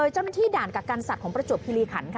เจ้าหน้าที่ด่านกักกันสัตว์ของประจวบคิริขันค่ะ